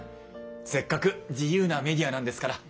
せっかく自由なメディアなんですから。